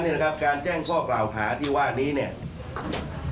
ปฏิตามภาพบังชั่วมังตอนของเหตุการณ์ที่เกิดขึ้นในวันนี้พร้อมกันครับ